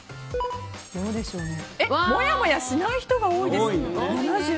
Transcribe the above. もやもやしない人が多いです７７％。